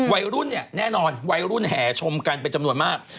วัยรุ่นเนี่ยแน่นอนวัยรุ่นแห่ชมกันเป็นจำนวนมาก